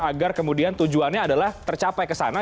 agar kemudian tujuannya adalah tercapai ke sana